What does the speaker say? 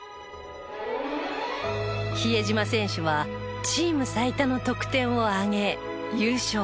比江島選手はチーム最多の得点をあげ優勝。